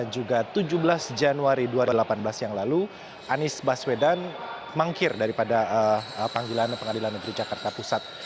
juga tujuh belas januari dua ribu delapan belas yang lalu anies baswedan mangkir daripada panggilan pengadilan negeri jakarta pusat